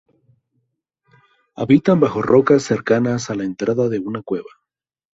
Habitan bajo rocas cercanas a la entrada de una cueva.